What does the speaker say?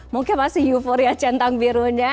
mungkin masih euforia centang birunya